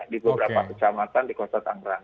di beberapa kecamatan di kota tangerang